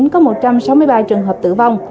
có một trăm sáu mươi ba trường hợp tử vong